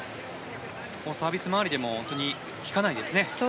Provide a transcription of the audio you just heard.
サービス周りでも本当に引かないですね。